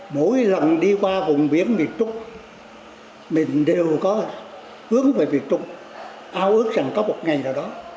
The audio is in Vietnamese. mỗi lần đi qua vùng biển việt trúc mình đều có hướng về việt trúc ao ước rằng có một ngày nào đó